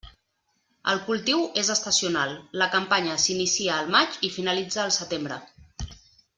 El cultiu és estacional, la campanya s'inicia al maig i finalitza al setembre.